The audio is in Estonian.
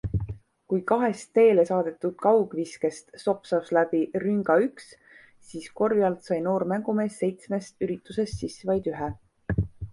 Kui kahest teele saadetud kaugviskest sopsas läbi rünga üks, siis korvi alt sai noor mängumees seitsmest üritusest sisse vaid ühe.